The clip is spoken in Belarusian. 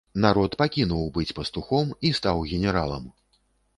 Народ пакінуў быць пастухом і стаў генералам.